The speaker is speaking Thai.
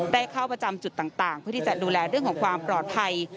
เข้าประจำจุดต่างเพื่อที่จะดูแลเรื่องของความปลอดภัย